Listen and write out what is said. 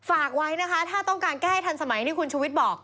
ฝากไว้นะคะถ้าต้องการแก้ให้ทันสมัยที่คุณชุวิตบอก